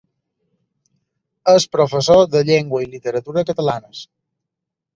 És professor de llengua i literatura catalanes.